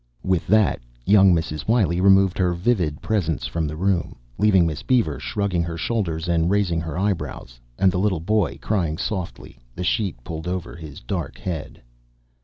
With that, young Mrs. Wiley removed her vivid presence from the room, leaving Miss Beaver shrugging her shoulders and raising her eyebrows. And the little boy crying softly, the sheet pulled over his dark head.